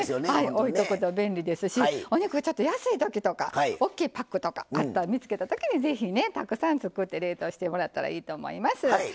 置いとくと便利ですしお肉安いときとか大きいパックとか見つけたときにたくさん作って冷凍してもらったらいいと思います。